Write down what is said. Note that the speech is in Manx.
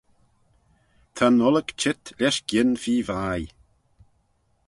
Ta'n ollick cheet lesh gien feer vie.